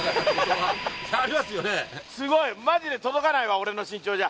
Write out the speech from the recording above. すごいマジで届かないわ俺の身長じゃ。